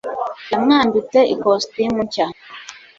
yamwambitse ikositimu nshya